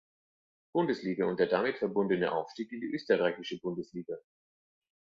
Bundesliga und der damit verbundene Aufstieg in die österreichische Bundesliga.